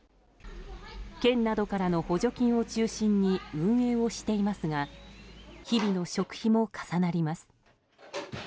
県などからの補助金を中心に運営をしていますが日々の食費も重なります。